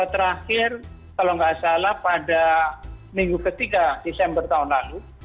terakhir kalau nggak salah pada minggu ketiga desember tahun lalu